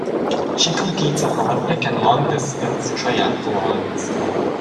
She competes in Olympic and Long Distance Triathlons.